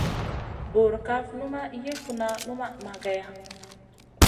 Burkaf numa yi funa numa mageya.